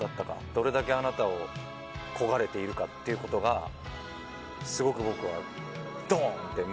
どれだけあなたを焦がれているかってことがすごく僕はどーんと胸にきて。